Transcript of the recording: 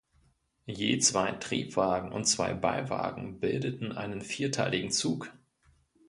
Je zwei Triebwagen und zwei Beiwagen bildeten einen vierteiligen Zug.